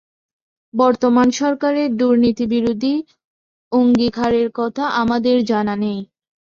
বর্তমান সরকারের দুর্নীতিবিরোধী অঙ্গীকারের কথা আমাদের জানা নেই।